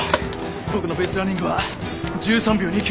僕のベースランニングは１３秒２９。